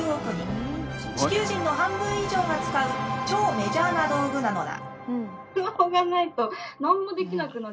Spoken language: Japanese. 地球人の半分以上が使う超メジャーな道具なのだ。